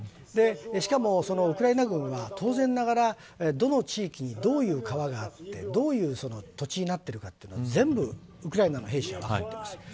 しかもウクライナ軍は当然ながらどの地域に、どういう川があってどういう土地になってるかは全部ウクライナの兵士は分かってます。